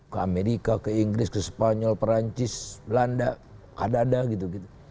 ke amerika ke inggris ke spanyol perancis belanda ada ada gitu gitu